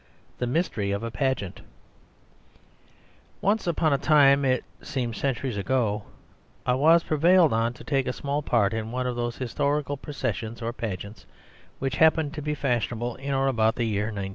The Mystery of a Pageant Once upon a time, it seems centuries ago, I was prevailed on to take a small part in one of those historical processions or pageants which happened to be fashionable in or about the year 1909.